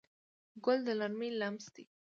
ګل د نرمۍ لمس دی.